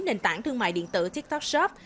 nền tảng thương mại điện tử tiktok shop